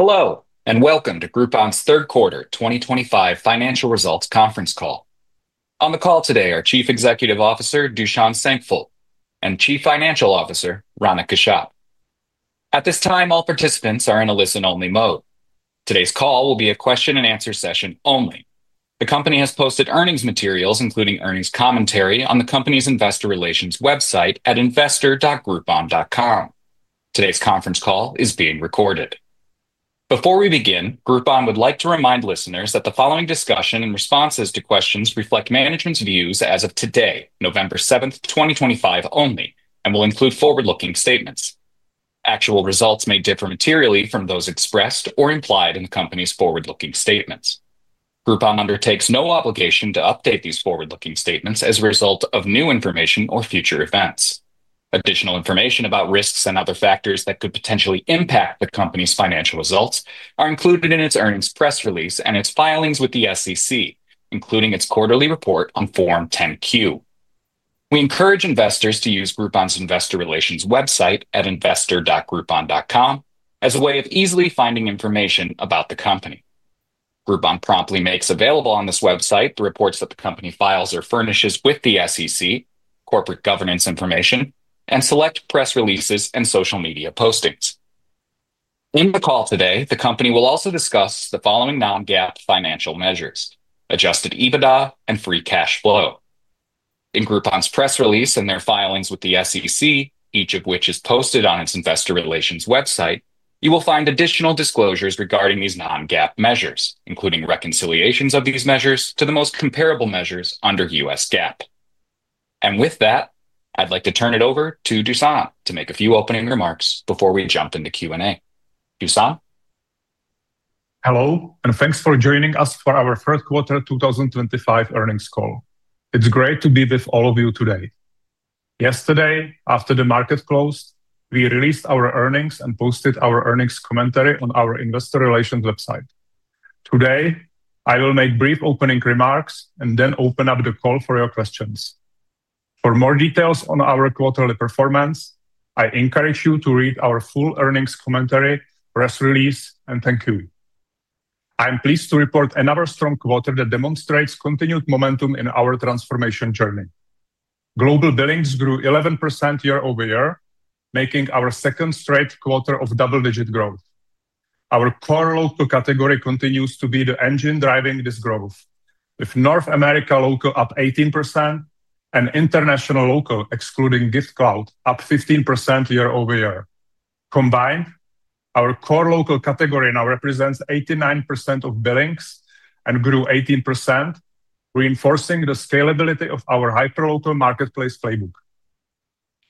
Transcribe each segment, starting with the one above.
Hello, and welcome to Groupon's Third Quarter 2025 Financial Results Conference Call. On the call today are Chief Executive Officer Dušan Šenkypl and Chief Financial Officer Rana Kashyap. At this time, all participants are in a listen-only mode. Today's call will be a question-and-answer session only. The company has posted earnings materials, including earnings commentary, on the company's Investor Relations website at investor.groupon.com. Today's conference call is being recorded. Before we begin, Groupon would like to remind listeners that the following discussion and responses to questions reflect management's views as of today, November 7th, 2025, only, and will include forward-looking statements. Actual results may differ materially from those expressed or implied in the company's forward-looking statements. Groupon undertakes no obligation to update these forward-looking statements as a result of new information or future events. Additional information about risks and other factors that could potentially impact the company's financial results are included in its earnings press release and its filings with the SEC, including its quarterly report on Form 10-Q. We encourage investors to use Groupon's Investor Relations website at investor.groupon.com as a way of easily finding information about the company. Groupon promptly makes available on this website the reports that the company files or furnishes with the SEC, corporate governance information, and select press releases and social media postings. In the call today, the company will also discuss the following non-GAAP financial measures: adjusted EBITDA and free cash flow. In Groupon's press release and their filings with the SEC, each of which is posted on its Investor Relations website, you will find additional disclosures regarding these non-GAAP measures, including reconciliations of these measures to the most comparable measures under US GAAP. With that, I'd like to turn it over to Dušan to make a few opening remarks before we jump into Q&A. Dušan? Hello, and thanks for joining us for our Third Quarter 2025 earnings call. It's great to be with all of you today. Yesterday, after the market closed, we released our earnings and posted our earnings commentary on our Investor Relations website. Today, I will make brief opening remarks and then open up the call for your questions. For more details on our quarterly performance, I encourage you to read our full earnings commentary, press release, and thank you. I'm pleased to report another stRanag quarter that demonstrates continued momentum in our transformation journey. Global billings grew 11% year-over-year, making our second straight quarter of double-digit growth. Our core local category continues to be the engine driving this growth, with North America local up 18% and international local excluding Giftcloud up 15% year-over-year. Combined, our core local category now represents 89% of billings and grew 18%, reinforcing the scalability of our hyperlocal marketplace playbook.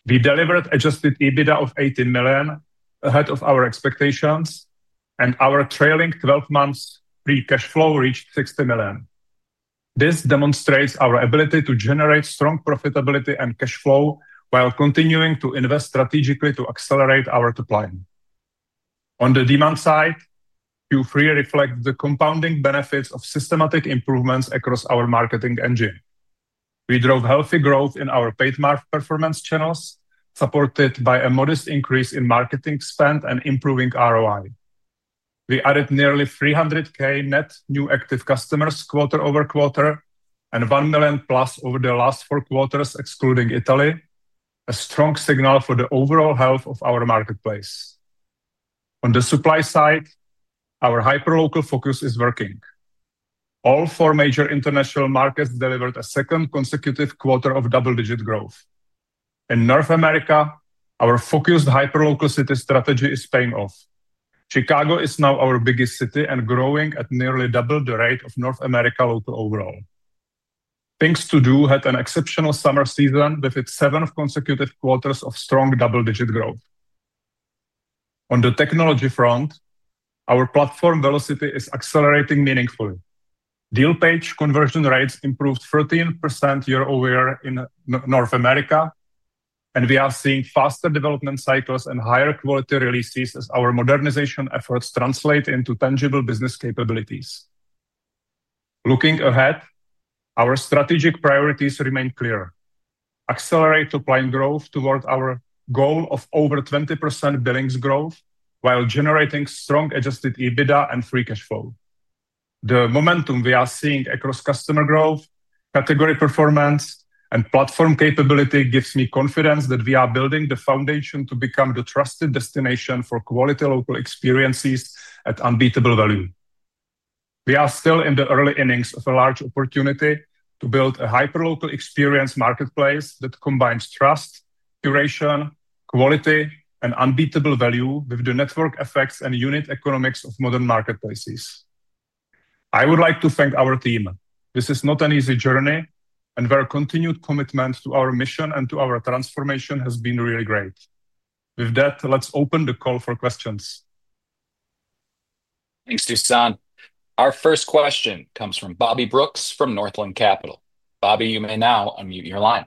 We delivered adjusted EBITDA of $18 million ahead of our expectations, and our trailing 12 months free cash flow reached $60 million. This demonstrates our ability to generate stRanag profitability and cash flow while continuing to invest strategically to accelerate our decline. On the demand side, Q3 reflects the compounding benefits of systematic improvements across our marketing engine. We drove healthy growth in our paid market performance channels, supported by a modest increase in marketing spend and improving ROI. We added nearly 300K net new active customers quarter over quarter and 1 million plus over the last four quarters excluding Italy, a stRanag signal for the overall health of our marketplace. On the supply side, our hyperlocal focus is working. All four major international markets delivered a second consecutive quarter of double-digit growth. In North America, our focused hyperlocal city strategy is paying off. Chicago is now our biggest city and growing at nearly double the rate of North America local overall. Things to do had an exceptional summer season with its seventh consecutive quarter of stRanag double-digit growth. On the technology front, our platform velocity is accelerating meaningfully. Deal page conversion rates improved 13% year-over-year in North America, and we are seeing faster development cycles and higher quality releases as our modernization efforts translate into tangible business capabilities. Looking ahead, our strategic priorities remain clear: accelerate supply and growth toward our goal of over 20% billings growth while generating stRanag adjusted EBITDA and free cash flow. The momentum we are seeing across customer growth, category performance, and platform capability gives me confidence that we are building the foundation to become the trusted destination for quality local experiences at unbeatable value. We are still in the early innings of a large opportunity to build a hyperlocal experience marketplace that combines trust, curation, quality, and unbeatable value with the network effects and unit economics of modern marketplaces. I would like to thank our team. This is not an easy journey, and their continued commitment to our mission and to our transformation has been really great. With that, let's open the call for questions. Thanks, Dušan. Our first question comes from Bobby Brooks from Northland Capital Markets. Bobby, you may now unmute your line.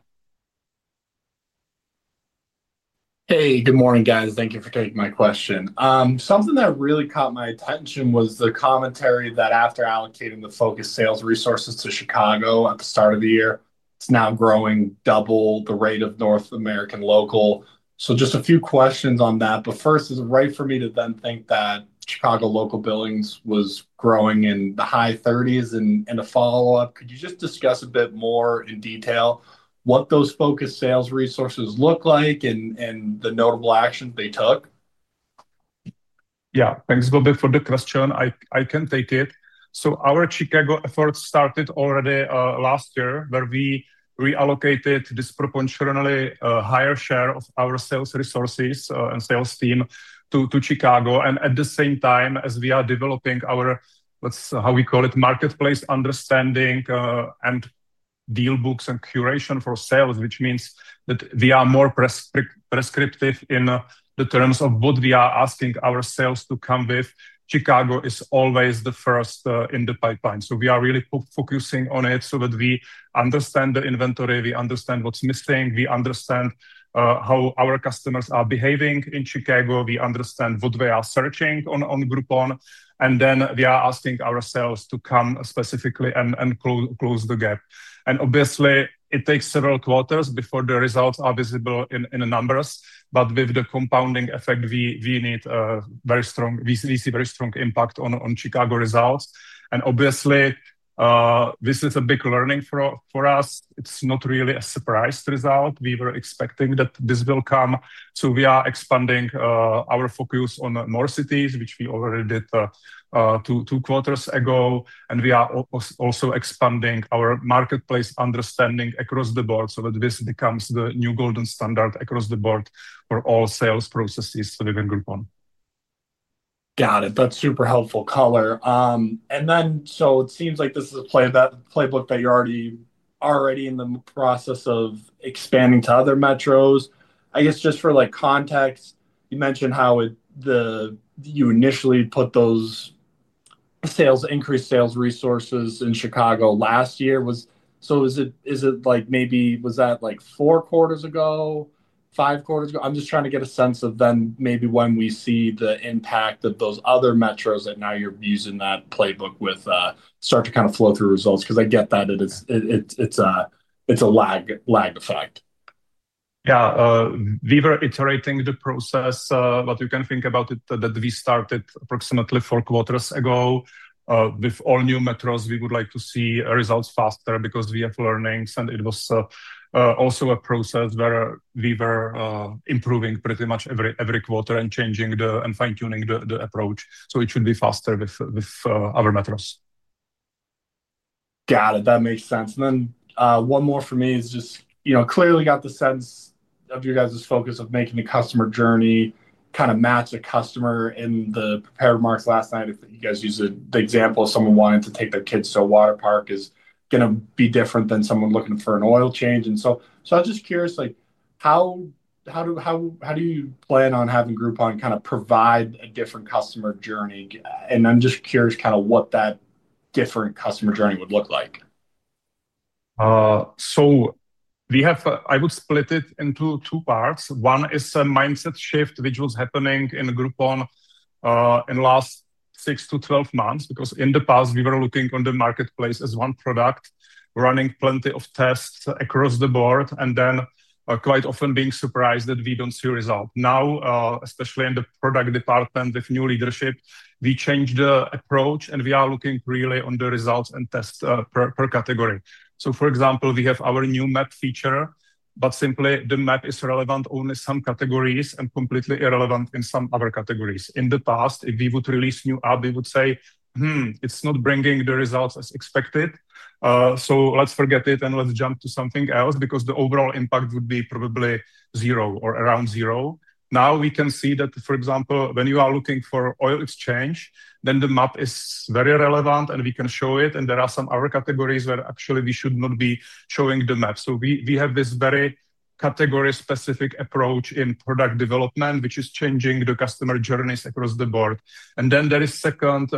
Hey, good morning, guys. Thank you for taking my question. Something that really caught my attention was the commentary that after allocating the focus sales resources to Chicago at the start of the year, it's now growing double the rate of North American local. Just a few questions on that. First, is it right for me to then think that Chicago local billings was growing in the high 30s? In a follow-up, could you just discuss a bit more in detail what those focus sales resources look like and the notable actions they took? Yeah, thanks Bobby for the question. I can take it. Our Chicago effort started already last year, where we reallocated disproportionately a higher share of our sales resources and sales team to Chicago. At the same time as we are developing our, let's, how we call it, marketplace understanding and deal books and curation for sales, which means that we are more prescriptive in the terms of what we are asking our sales to come with, Chicago is always the first in the pipeline. We are really focusing on it so that we understand the inventory, we understand what's missing, we understand how our customers are behaving in Chicago, we understand what they are searching on Groupon, and then we are asking our sales to come specifically and close the gap. Obviously, it takes several quarters before the results are visible in the numbers, but with the compounding effect, we see very stRanag impact on Chicago results. Obviously, this is a big learning for us. It's not really a surprise result. We were expecting that this will come. We are expanding our focus on more cities, which we already did two quarters ago, and we are also expanding our marketplace understanding across the board so that this becomes the new golden standard across the board for all sales processes within Groupon. Got it. That's super helpful color. It seems like this is a playbook that you're already in the process of expanding to other metros. I guess just for context, you mentioned how you initially put those increased sales resources in Chicago last year. Was that like four quarters ago, five quarters ago? I'm just trying to get a sense of when we see the impact of those other metros that now you're using that playbook with start to kind of flow through results because I get that it's a lag effect. Yeah, we were iterating the process, but you can think about it that we started approximately four quarters ago. With all new metros, we would like to see results faster because we have learnings, and it was also a process where we were improving pretty much every quarter and changing and fine-tuning the approach. It should be faster with our metros. Got it. That makes sense. One more for me is just clearly got the sense of your guys' focus of making the customer journey kind of match a customer in the prepared remarks last night. If you guys use the example of someone wanting to take their kids to a waterpark, it is going to be different than someone looking for an oil change. I am just curious, how do you plan on having Groupon kind of provide a different customer journey? I am just curious what that different customer journey would look like. I would split it into two parts. One is a mindset shift which was happening in Groupon in the last 6 to 12 months because in the past, we were looking on the marketplace as one product, running plenty of tests across the board, and then quite often being surprised that we do not see results. Now, especially in the product department with new leadership, we changed the approach, and we are looking really on the results and tests per category. For example, we have our new map feature, but simply the map is relevant only to some categories and completely irrelevant to some other categories. In the past, if we would release new app, we would say, it is not bringing the results as expected. Let's forget it and let's jump to something else because the overall impact would be probably zero or around zero. Now we can see that, for example, when you are looking for oil exchange, then the map is very relevant and we can show it, and there are some other categories where actually we should not be showing the map. We have this very category-specific approach in product development, which is changing the customer journeys across the board. There is a second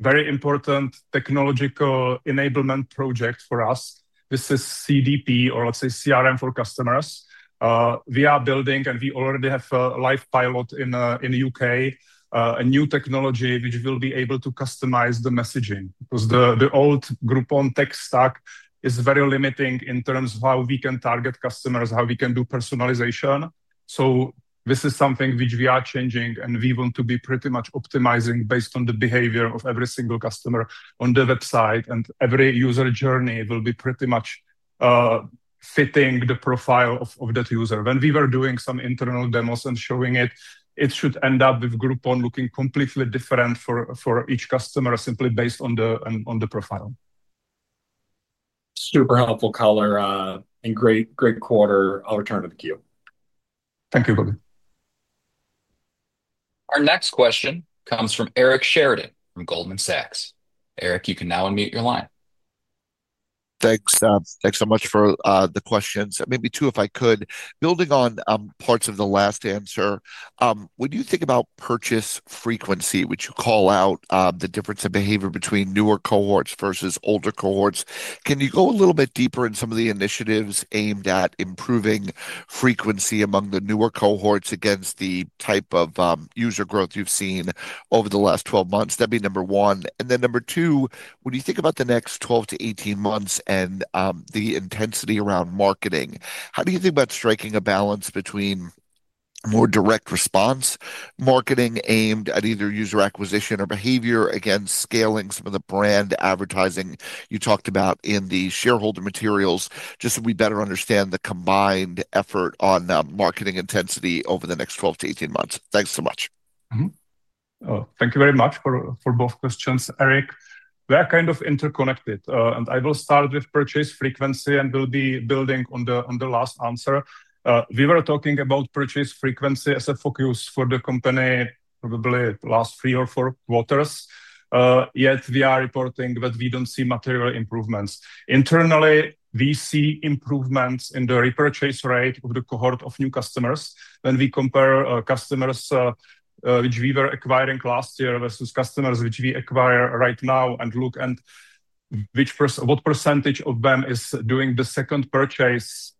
very important technological enablement project for us. This is CDP or let's say CRM for customers. We are building and we already have a live pilot in the U.K., a new technology which will be able to customize the messaging because the old Groupon tech stack is very limiting in terms of how we can target customers, how we can do personalization. This is something which we are changing and we want to be pretty much optimizing based on the behavior of every single customer on the website, and every user journey will be pretty much fitting the profile of that user. When we were doing some internal demos and showing it, it should end up with Groupon looking completely different for each customer simply based on the profile. Super helpful color and great quarter. I'll return to the queue. Thank you, Bobby. Our next question comes from Eric Sheridan from Goldman Sachs. Eric, you can now unmute your line. Thanks. Thanks so much for the questions. Maybe two, if I could. Building on parts of the last answer, when you think about purchase frequency, which you call out the difference in behavior between newer cohorts versus older cohorts, can you go a little bit deeper in some of the initiatives aimed at improving frequency among the newer cohorts against the type of user growth you've seen over the last 12 months? That'd be number one. Number two, when you think about the next 12 to 18 months and the intensity around marketing, how do you think about striking a balance between more direct response marketing aimed at either user acquisition or behavior against scaling some of the brand advertising you talked about in the shareholder materials just so we better understand the combined effort on marketing intensity over the next 12 to 18 months? Thanks so much. Thank you very much for both questions, Eric. We are kind of interconnected, and I will start with purchase frequency and will be building on the last answer. We were talking about purchase frequency as a focus for the company probably the last three or four quarters, yet we are reporting that we do not see material improvements. Internally, we see improvements in the repurchase rate of the cohort of new customers when we compare customers which we were acquiring last year versus customers which we acquire right now and look at what percentage of them is doing the second purchase,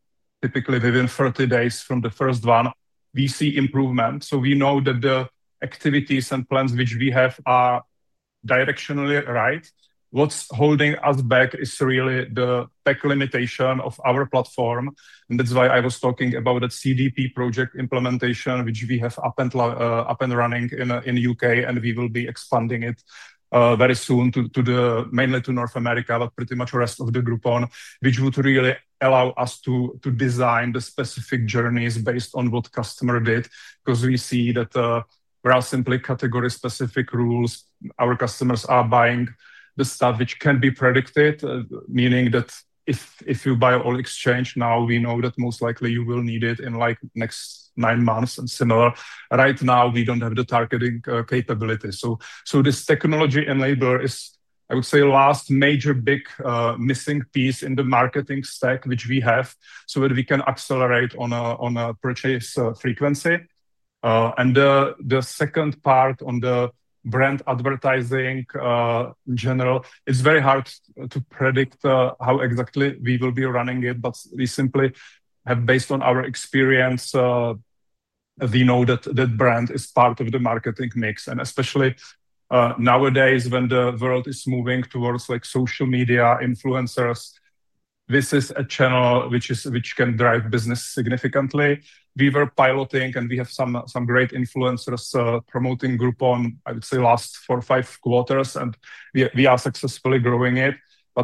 typically within 30 days from the first one. We see improvement. We know that the activities and plans which we have are directionally right. What is holding us back is really the tech limitation of our platform. That is why I was talking about the CDP project implementation, which we have up and running in the U.K., and we will be expanding it very soon mainly to North America, but pretty much the rest of the Groupon, which would really allow us to design the specific journeys based on what customer did because we see that we are simply category-specific rules. Our customers are buying the stuff which can be predicted, meaning that if you buy oil exchange now, we know that most likely you will need it in like the next nine months and similar. Right now, we do not have the targeting capability. This technology enabler is, I would say, the last major big missing piece in the marketing stack which we have so that we can accelerate on purchase frequency. The second part on the brand advertising in general, it's very hard to predict how exactly we will be running it, but we simply have, based on our experience, we know that brand is part of the marketing mix. Especially nowadays, when the world is moving towards social media influencers, this is a channel which can drive business significantly. We were piloting, and we have some great influencers promoting Groupon, I would say, the last four or five quarters, and we are successfully growing it.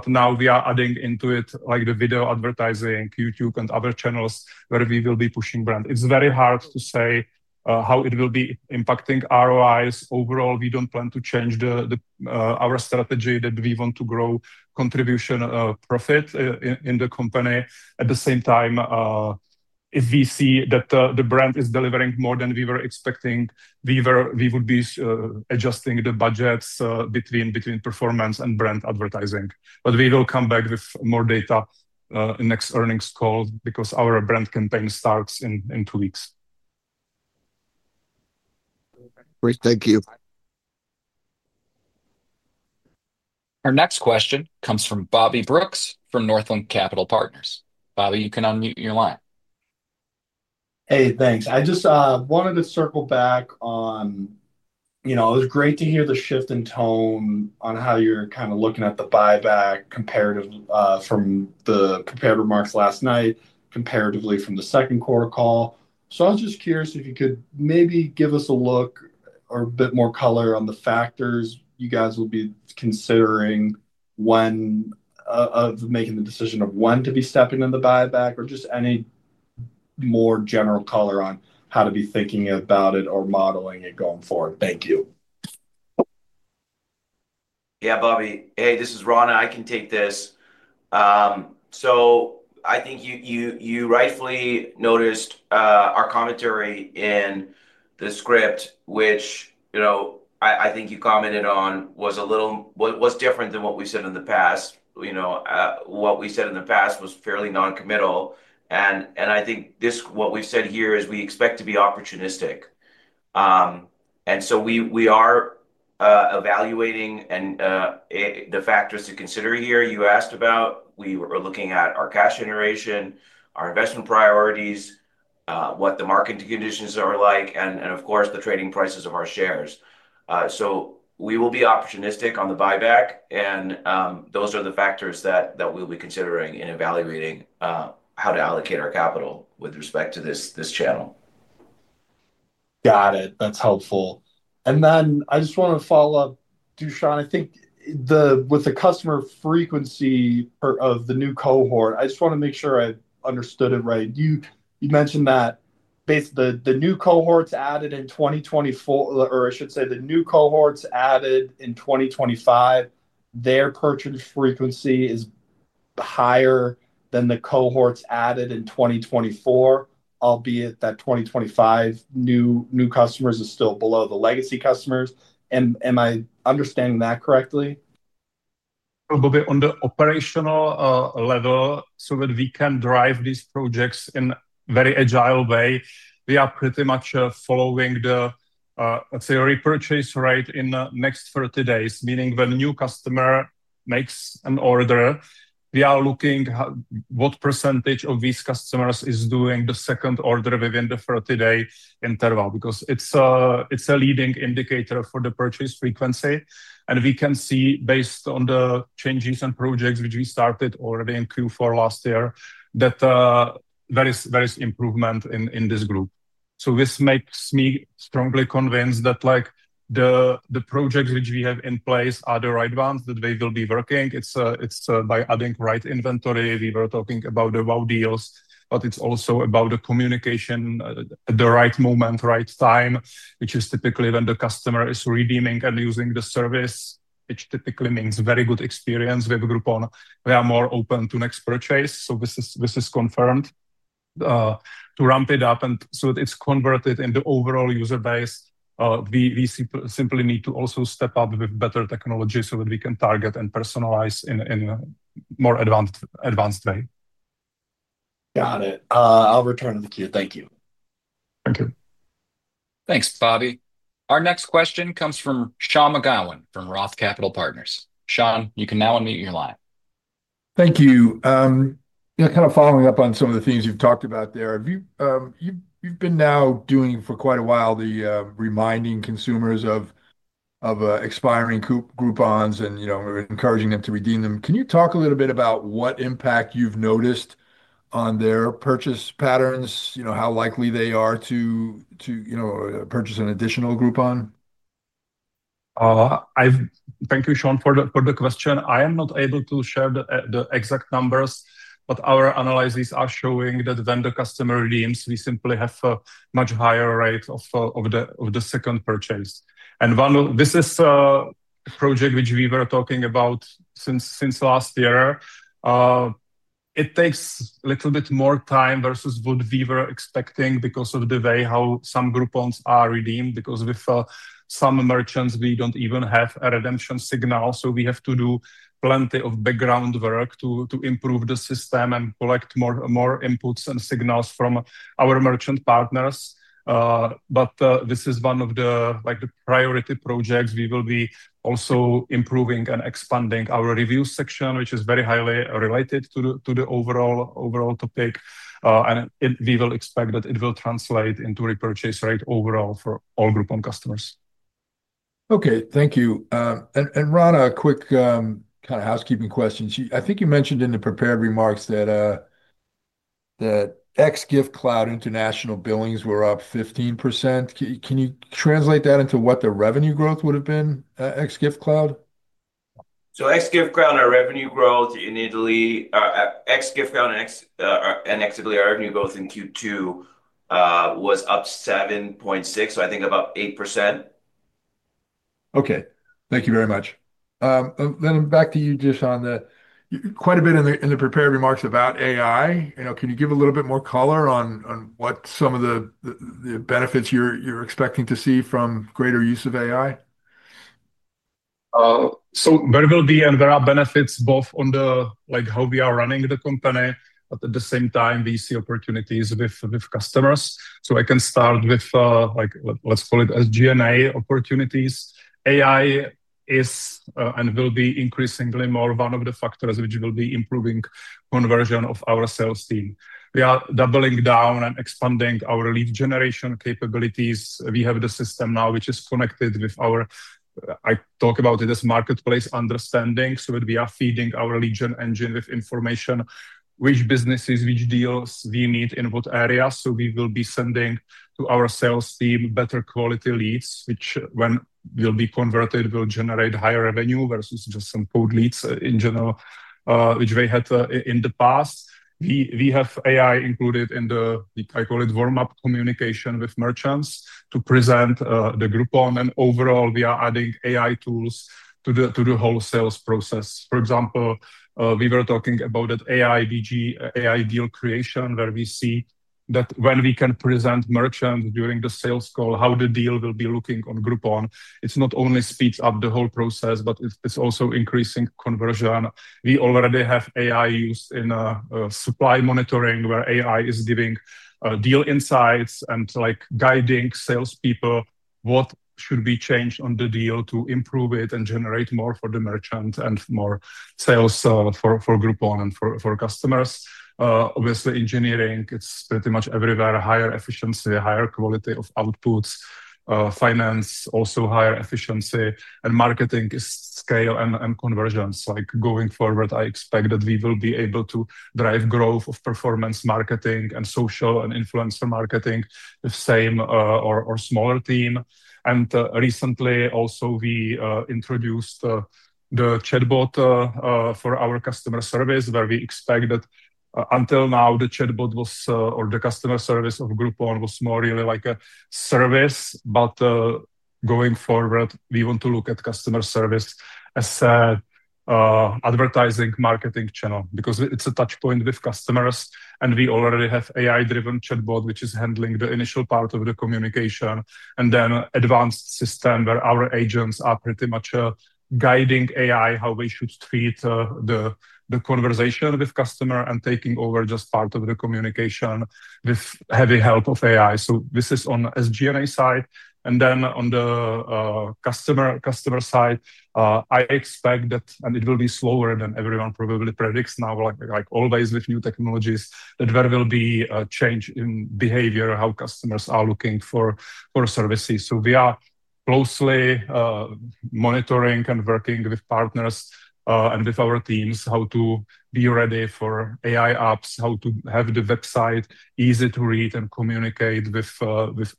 Now we are adding into it the video advertising, YouTube, and other channels where we will be pushing brand. It's very hard to say how it will be impacting ROI. Overall, we don't plan to change our strategy that we want to grow contribution profit in the company. At the same time, if we see that the brand is delivering more than we were expecting, we would be adjusting the budgets between performance and brand advertising. We will come back with more data in the next earnings call because our brand campaign starts in two weeks. Great. Thank you. Our next question comes from Bobby Brooks from Northland Capital Markets. Bobby, you can unmute your line. Hey, thanks. I just wanted to circle back on it was great to hear the shift in tone on how you're kind of looking at the buyback comparative from the prepared remarks last night comparatively from the second quarter call. I was just curious if you could maybe give us a look or a bit more color on the factors you guys will be considering of making the decision of when to be stepping in the buyback or just any more general color on how to be thinking about it or modeling it going forward. Thank you. Yeah, Bobby. Hey, this is Rana. I can take this. I think you rightfully noticed our commentary in the script, which I think you commented on was different than what we've said in the past. What we said in the past was fairly non-committal. I think what we've said here is we expect to be opportunistic. We are evaluating the factors to consider here. You asked about we were looking at our cash iteration, our investment priorities, what the market conditions are like, and of course, the trading prices of our shares. We will be opportunistic on the buyback, and those are the factors that we'll be considering in evaluating how to allocate our capital with respect to this channel. Got it. That's helpful. I just want to follow up, Dušan. I think with the customer frequency of the new cohort, I just want to make sure I understood it right. You mentioned that the new cohorts added in 2024, or I should say the new cohorts added in 2025, their purchase frequency is higher than the cohorts added in 2024, albeit that 2025 new customers are still below the legacy customers. Am I understanding that correctly? A little bit on the operational level so that we can drive these projects in a very agile way. We are pretty much following the, let's say, repurchase rate in the next 30 days, meaning when a new customer makes an order, we are looking at what percentage of these customers is doing the second order within the 30-day interval because it's a leading indicator for the purchase frequency. We can see based on the changes and projects which we started already in Q4 last year that there is improvement in this group. This makes me strongly convinced that the projects which we have in place are the right ones that they will be working. It's by adding the right inventory. We were talking about the wow deals, but it's also about the communication at the right moment, right time, which is typically when the customer is redeeming and using the service, which typically means very good experience with Groupon. We are more open to next purchase. This is confirmed. To ramp it up and so that it's converted into the overall user base, we simply need to also step up with better technology so that we can target and personalize in a more advanced way. Got it. I'll return to the queue. Thank you. Thank you. Thanks, Bobby. Our next question comes from Sean McGowan from Roth Capital Partners. Sean, you can now unmute your line. Thank you. Kind of following up on some of the things you've talked about there, you've been now doing for quite a while the reminding consumers of expiring Groupons and encouraging them to redeem them. Can you talk a little bit about what impact you've noticed on their purchase patterns, how likely they are to purchase an additional Groupon? Thank you, Sean, for the question. I am not able to share the exact numbers, but our analysis is showing that when the customer redeems, we simply have a much higher rate of the second purchase. This is a project which we were talking about since last year. It takes a little bit more time versus what we were expecting because of the way how some Groupons are redeemed because with some merchants, we do not even have a redemption signal. We have to do plenty of background work to improve the system and collect more inputs and signals from our merchant partners. This is one of the priority projects. We will be also improving and expanding our review section, which is very highly related to the overall topic. We will expect that it will translate into a repurchase rate overall for all Groupon customers. Okay. Thank you. Rana, a quick kind of housekeeping question. I think you mentioned in the prepared remarks that XGIF Cloud International billings were up 15%. Can you translate that into what the revenue growth would have been at XGIF Cloud? XGIF Cloud and revenue growth in Italy, XGIF Cloud and XItaly, our revenue growth in Q2 was up 7.6%, so I think about 8%. Okay. Thank you very much. Then back to you, Dušan. Quite a bit in the prepared remarks about AI. Can you give a little bit more color on what some of the benefits you're expecting to see from greater use of AI? There will be and there are benefits both on how we are running the company, but at the same time, we see opportunities with customers. I can start with, let's call it, SG&A opportunities. AI is and will be increasingly more one of the factors which will be improving the conversion of our sales team. We are doubling down and expanding our lead generation capabilities. We have the system now which is connected with our, I talk about it as marketplace understanding, so that we are feeding our lead gen engine with information which businesses, which deals we need in what area. We will be sending to our sales team better quality leads, which when will be converted will generate higher revenue versus just some cold leads in general, which we had in the past. We have AI included in the, I call it, warm-up communication with merchants to present the Groupon. Overall, we are adding AI tools to the whole sales process. For example, we were talking about that AI deal creation where we see that when we can present merchants during the sales call how the deal will be looking on Groupon, it not only speeds up the whole process, but it is also increasing conversion. We already have AI used in supply monitoring where AI is giving deal insights and guiding salespeople what should be changed on the deal to improve it and generate more for the merchant and more sales for Groupon and for customers. Obviously, engineering, it is pretty much everywhere. Higher efficiency, higher quality of outputs. Finance, also higher efficiency. Marketing is scale and conversions. Going forward, I expect that we will be able to drive growth of performance marketing and social and influencer marketing with the same or smaller team. Recently, also, we introduced the chatbot for our customer service where we expect that until now, the chatbot or the customer service of Groupon was more really like a service. Going forward, we want to look at customer service as an advertising marketing channel because it is a touchpoint with customers. We already have an AI-driven chatbot which is handling the initial part of the communication. Then an advanced system where our agents are pretty much guiding AI how they should treat the conversation with the customer and taking over just part of the communication with heavy help of AI. This is on the SG&A side. On the customer side, I expect that, and it will be slower than everyone probably predicts now, like always with new technologies, that there will be a change in behavior, how customers are looking for services. We are closely monitoring and working with partners and with our teams how to be ready for AI apps, how to have the website easy to read and communicate with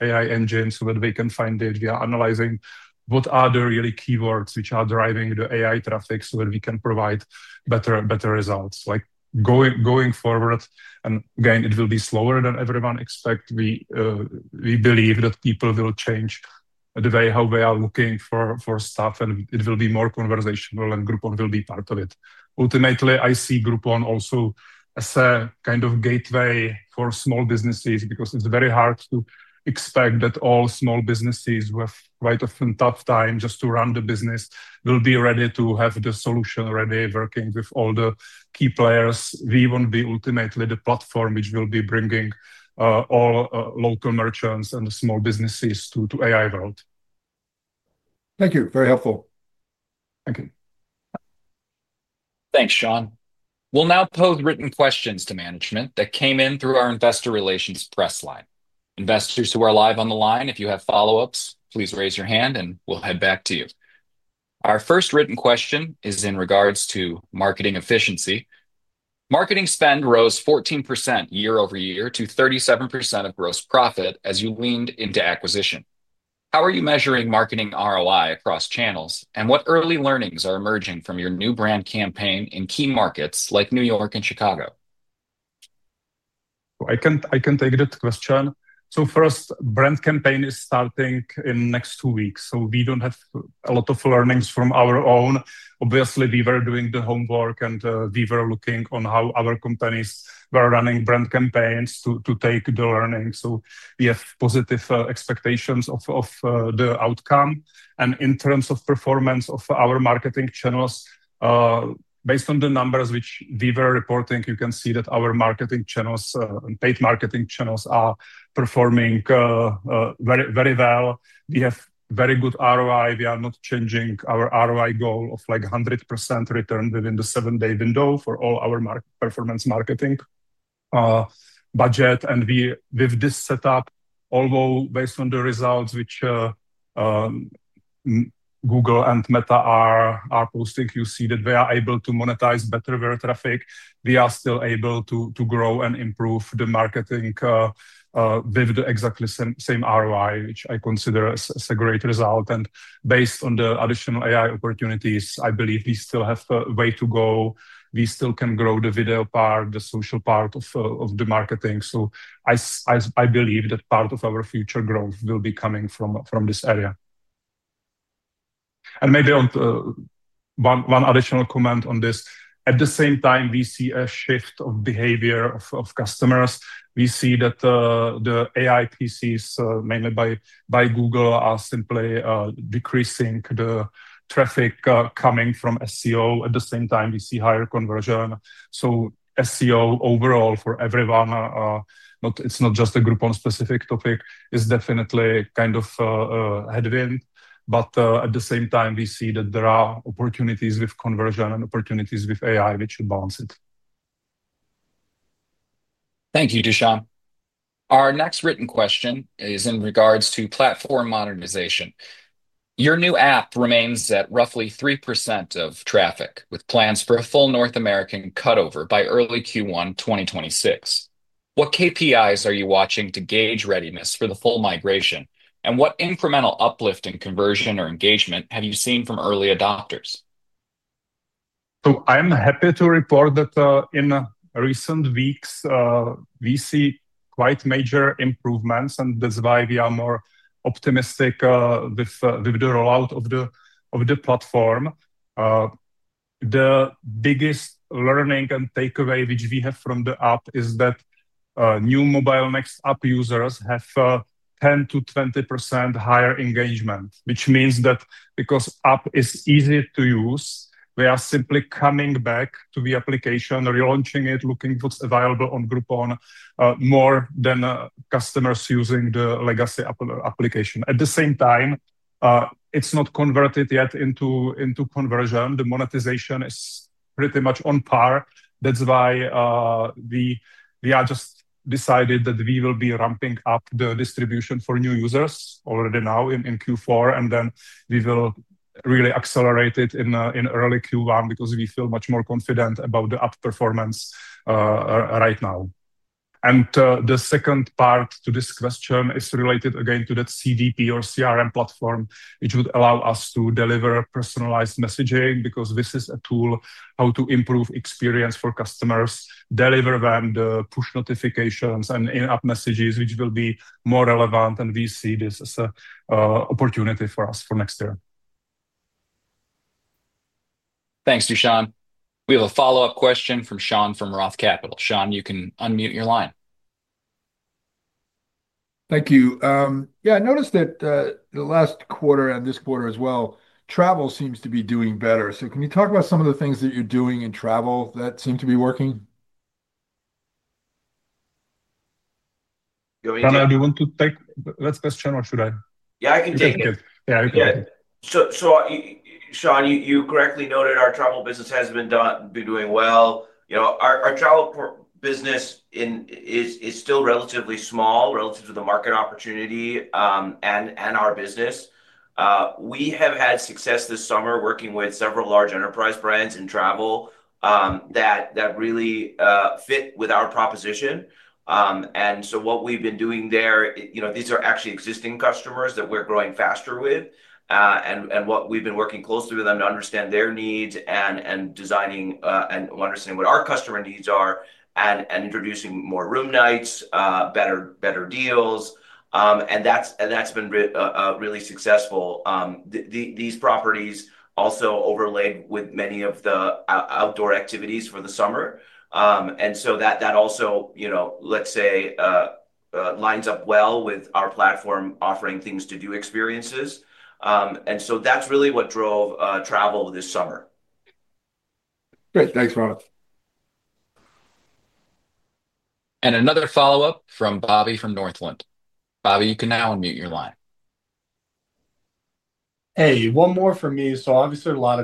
AI engines so that they can find it. We are analyzing what are the really keywords which are driving the AI traffic so that we can provide better results. Going forward, and again, it will be slower than everyone expects. We believe that people will change the way how they are looking for stuff, and it will be more conversational, and Groupon will be part of it. Ultimately, I see Groupon also as a kind of gateway for small businesses because it's very hard to expect that all small businesses who have quite a tough time just to run the business will be ready to have the solution ready, working with all the key players. We want to be ultimately the platform which will be bringing all local merchants and small businesses to the AI world. Thank you. Very helpful. Thank you. Thanks, Sean. We'll now pose written questions to management that came in through our investor relations press line. Investors who are live on the line, if you have follow-ups, please raise your hand, and we'll head back to you. Our first written question is in regards to marketing efficiency. Marketing spend rose 14% year-over-year to 37% of gross profit as you leaned into acquisition. How are you measuring marketing ROI across channels, and what early learnings are emerging from your new brand campaign in key markets like New York and Chicago? I can take that question. The brand campaign is starting in the next two weeks, so we do not have a lot of learnings from our own. Obviously, we were doing the homework, and we were looking on how other companies were running brand campaigns to take the learning. We have positive expectations of the outcome. In terms of performance of our marketing channels, based on the numbers which we were reporting, you can see that our marketing channels, paid marketing channels, are performing very well. We have very good ROI. We are not changing our ROI goal of 100% return within the seven-day window for all our performance marketing budget. With this setup, although based on the results which Google and Meta are posting, you see that we are able to monetize better their traffic. We are still able to grow and improve the marketing with the exactly same ROI, which I consider a great result. Based on the additional AI opportunities, I believe we still have a way to go. We still can grow the video part, the social part of the marketing. I believe that part of our future growth will be coming from this area. Maybe one additional comment on this. At the same time, we see a shift of behavior of customers. We see that the AI pieces, mainly by Google, are simply decreasing the traffic coming from SEO. At the same time, we see higher conversion. SEO overall for everyone, it's not just a Groupon-specific topic, is definitely kind of a headwind. At the same time, we see that there are opportunities with conversion and opportunities with AI which should balance it. Thank you, Dušan. Our next written question is in regards to platform modernization. Your new app remains at roughly 3% of traffic with plans for a full North American cutover by early Q1 2026. What KPIs are you watching to gauge readiness for the full migration, and what incremental uplift in conversion or engagement have you seen from early adopters? I'm happy to report that in recent weeks, we see quite major improvements, and that's why we are more optimistic with the rollout of the platform. The biggest learning and takeaway which we have from the app is that new mobile Next app users have 10%-20% higher engagement, which means that because the app is easy to use, we are simply coming back to the application, relaunching it, looking what's available on Groupon more than customers using the legacy application. At the same time, it's not converted yet into conversion. The monetization is pretty much on par. That's why we just decided that we will be ramping up the distribution for new users already now in Q4. We will really accelerate it in early Q1 because we feel much more confident about the app performance right now. The second part to this question is related again to that CDP or CRM platform, which would allow us to deliver personalized messaging because this is a tool how to improve experience for customers, deliver them the push notifications and in-app messages, which will be more relevant. We see this as an opportunity for us for next year. Thanks, Dušan. We have a follow-up question from Sean from Roth Capital. Sean, you can unmute your line. Thank you. Yeah, I noticed that the last quarter and this quarter as well, travel seems to be doing better. Can you talk about some of the things that you're doing in travel that seem to be working? Rana, do you want to take that question, or should I? Yeah, I can take it. Yeah, you can take it. Sean, you correctly noted our travel business has been doing well. Our travel business is still relatively small relative to the market opportunity and our business. We have had success this summer working with several large enterprise brands in travel that really fit with our proposition. What we have been doing there, these are actually existing customers that we are growing faster with. We have been working closely with them to understand their needs and designing and understanding what our customer needs are and introducing more room nights, better deals. That has been really successful. These properties also overlaid with many of the outdoor activities for the summer. That also, let's say, lines up well with our platform offering things-to-do experiences. That is really what drove travel this summer. Great. Thanks, Rana. Another follow-up from Bobby from Northland. Bobby, you can now unmute your line. Hey, one more from me. Obviously, a lot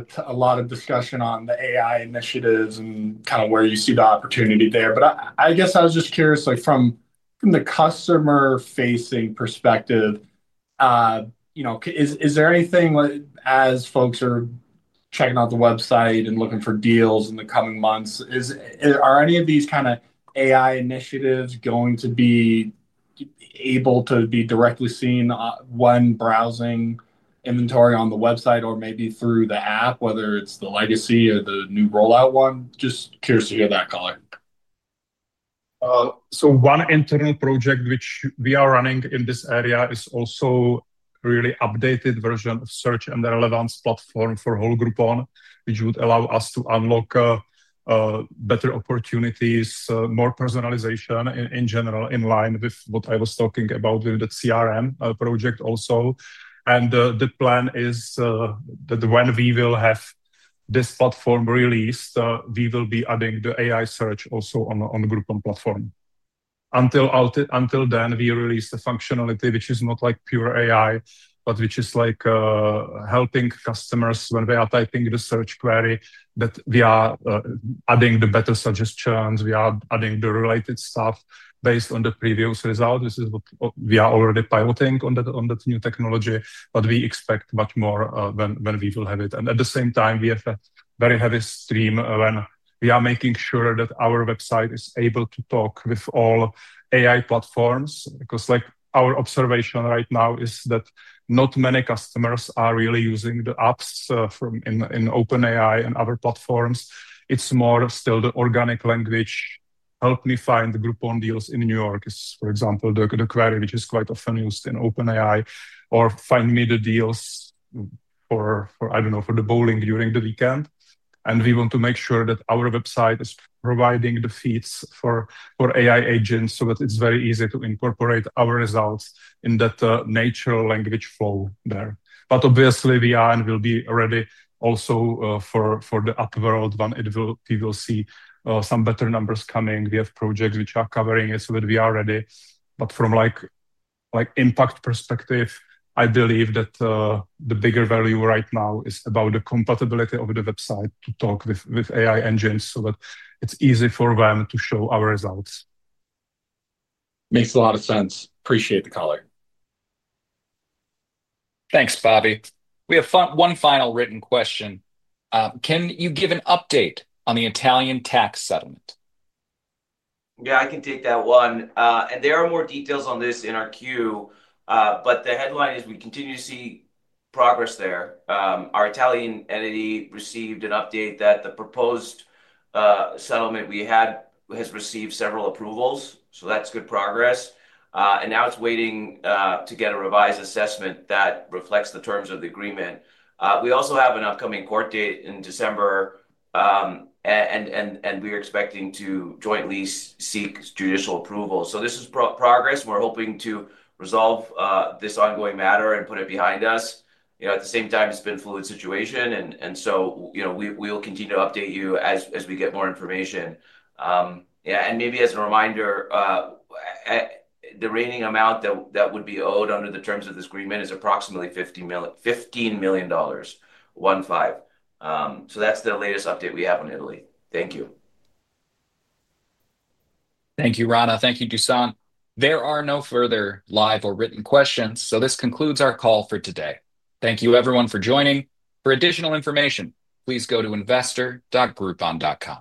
of discussion on the AI initiatives and kind of where you see the opportunity there. I guess I was just curious, from the customer-facing perspective, is there anything as folks are checking out the website and looking for deals in the coming months, are any of these kind of AI initiatives going to be able to be directly seen when browsing inventory on the website or maybe through the app, whether it's the legacy or the new rollout one? Just curious to hear that, Color. One internal project which we are running in this area is also a really updated version of Search and the Relevance platform for whole Groupon, which would allow us to unlock better opportunities, more personalization in general, in line with what I was talking about with the CRM project also. The plan is that when we will have this platform released, we will be adding the AI search also on the Groupon platform. Until then, we released a functionality which is not like pure AI, but which is like helping customers when they are typing the search query that we are adding the better suggestions. We are adding the related stuff based on the previous results. This is what we are already piloting on that new technology, but we expect much more when we will have it. At the same time, we have a very heavy stream when we are making sure that our website is able to talk with all AI platforms because our observation right now is that not many customers are really using the apps in OpenAI and other platforms. It's more still the organic language. "Help me find Groupon deals in New York" is, for example, the query which is quite often used in OpenAI, or "Find me the deals for, I don't know, for the bowling during the weekend." We want to make sure that our website is providing the feeds for AI agents so that it's very easy to incorporate our results in that natural language flow there. Obviously, we are and will be ready also for the upward one. We will see some better numbers coming. We have projects which are covering it, so that we are ready. From an impact perspective, I believe that the bigger value right now is about the compatibility of the website to talk with AI engines so that it's easy for them to show our results. Makes a lot of sense. Appreciate the color. Thanks, Bobby. We have one final written question. Can you give an update on the Italian tax settlement? Yeah, I can take that one. There are more details on this in our 10-Q. The headline is we continue to see progress there. Our Italian entity received an update that the proposed settlement we had has received several approvals. That is good progress. It is now waiting to get a revised assessment that reflects the terms of the agreement. We also have an upcoming court date in December, and we are expecting to jointly seek judicial approval. This is progress. We are hoping to resolve this ongoing matter and put it behind us. At the same time, it has been a fluid situation, and we will continue to update you as we get more information. Yeah, and maybe as a reminder, the remaining amount that would be owed under the terms of this agreement is approximately $15 million, fifteen. That is the latest update we have in Italy. Thank you. Thank you, Rana. Thank you, Dušan. There are no further live or written questions. This concludes our call for today. Thank you, everyone, for joining. For additional information, please go to investor.groupon.com.